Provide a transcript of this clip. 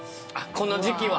この時期は？